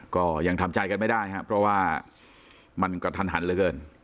ก็ยังทำใจกันไม่ได้ครับเพราะว่ามันกระทันหันเหลือเกิน